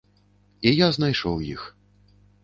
І я знайшоў іх.